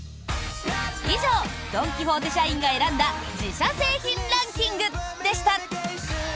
以上ドン・キホーテ社員が選んだ自社製品ランキングでした。